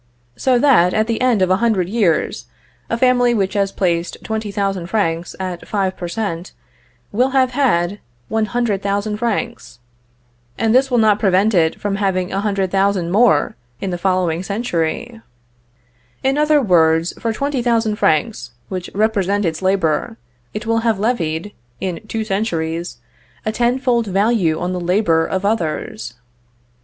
So that, at the end of a hundred years, a family, which has placed 20,000 francs, at five per cent., will have had 100,000 francs; and this will not prevent it from having 100,000 more, in the following century. In other words, for 20,000 francs, which represent its labor, it will have levied, in two centuries, a ten fold value on the labor of others.